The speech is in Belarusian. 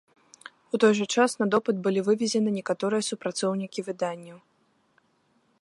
У той жа час на допыт былі вывезены некаторыя супрацоўнікі выданняў.